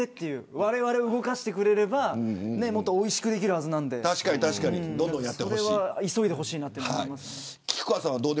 われわれを動かしてくれればおいしくできるはずなのでそれは急いでほしいなと思います。